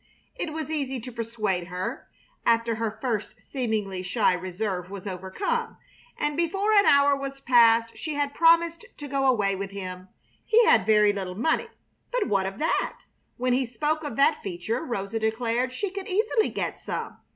It was easy to persuade her, after her first seemingly shy reserve was overcome, and before an hour was passed she had promised to go away with him. He had very little money, but what of that? When he spoke of that feature Rosa declared she could easily get some.